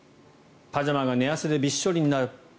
パジャマが寝汗でびっしょりになる。